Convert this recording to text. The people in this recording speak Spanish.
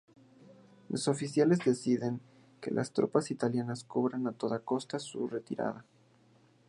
Los oficiales deciden que las tropas italianas cubran, a toda costa, su retirada.